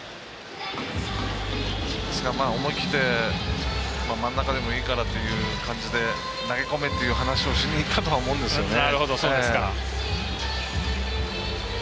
ですから、思い切って真ん中でもいいからという感じで投げ込めっていう話をしにいったと思うんですよね。